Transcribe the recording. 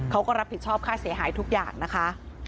เขาก็รับผิดชอบค่าเสียหายทุกอย่างนะคะ